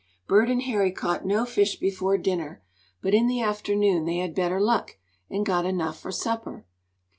Bert and Harry caught no fish before dinner, but in the afternoon they had better luck, and got enough for supper.